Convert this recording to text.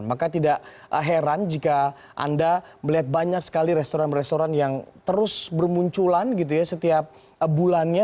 maka tidak heran jika anda melihat banyak sekali restoran restoran yang terus bermunculan gitu ya setiap bulannya